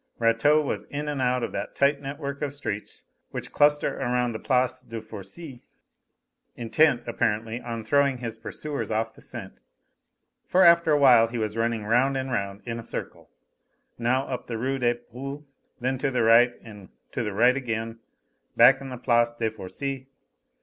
Rateau was in and out of that tight network of streets which cluster around the Place de Fourci, intent, apparently, on throwing his pursuers off the scent, for after a while he was running round and round in a circle. Now up the Rue des Poules, then to the right and to the right again; back in the Place de Fourci.